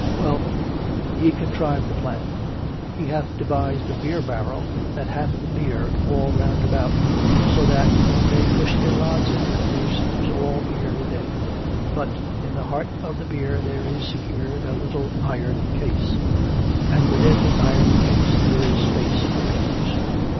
"Well; he contrived the plan. He hath devised a beer barrel that hath the beer all roundabout, so that when they push their rods in, there seems all beer within. But in the heart of the beer there is secured a little iron case; and within the iron case there is space for papers.